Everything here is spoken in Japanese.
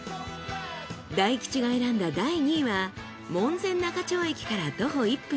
大吉が選んだ第２位は門前仲町駅から徒歩１分。